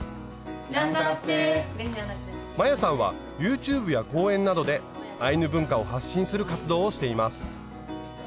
摩耶さんはＹｏｕｔｕｂｅや講演などでアイヌ文化を発信する活動をしています。